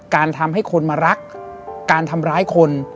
การทำให้คนมารักการทำร้ายคน